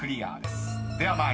では参ります］